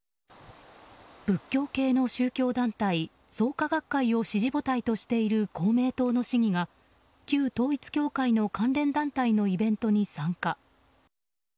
仏教系の宗教団体・創価学会を支持母体としている公明党の市議が、旧統一教会の関連団体のイベントに参加。